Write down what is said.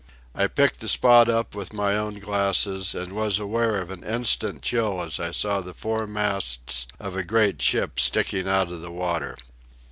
I picked the spot up with my own glasses and was aware of an instant chill as I saw the four masts of a great ship sticking out of the water.